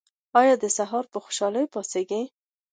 ایا سهار په خوشحالۍ پاڅیږئ؟